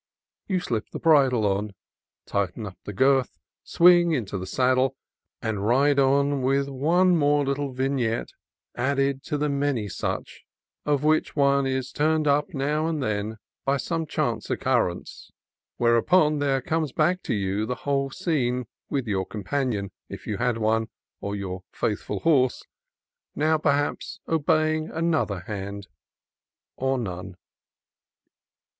You slip the bridle on, tighten up the girth, swing into the saddle, and ride on with one more little vignette added to the many such, of which one is turned up now and then by some chance occurrence ; whereupon there comes back to you the whole scene, with your companion, if you had one, or your faithful horse, now perhaps obeying an other hand, or none.